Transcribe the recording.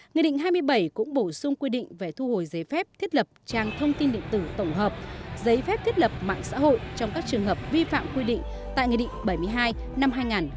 nghị định hai mươi bảy cũng bổ sung quy định về thu hồi giấy phép thiết lập trang thông tin điện tử tổng hợp giấy phép thiết lập mạng xã hội trong các trường hợp vi phạm quy định tại nghị định bảy mươi hai năm hai nghìn một mươi